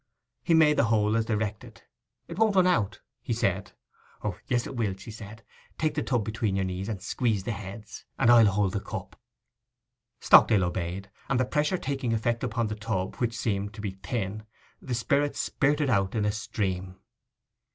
He made the hole as directed. 'It won't run out,' he said. 'O yes it will,' said she. 'Take the tub between your knees, and squeeze the heads; and I'll hold the cup.' Stockdale obeyed; and the pressure taking effect upon the tub, which seemed, to be thin, the spirit spirted out in a stream.